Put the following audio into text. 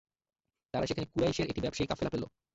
তারা সেখানে কুরাইশের একটি ব্যবসায়ী কাফেলা পেল।